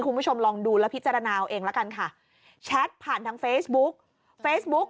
คุณผู้ชมลองดูแล้วพิจารณาเอาเองละกันค่ะแชทผ่านทางเฟซบุ๊กเฟซบุ๊ก